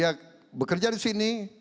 saya bekerja di sini